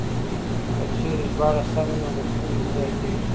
که چېرې ژباړه سمه وي نو لوستونکي زياتېږي.